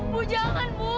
bu jangan bu